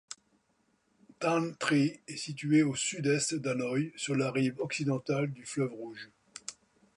Thanh Trì est situé au sud-est d'Hanoï, sur la rive occidentale du Fleuve Rouge.